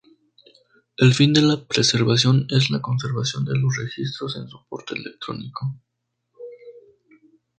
El fin de la preservación es la conservación de los registros en soporte electrónico.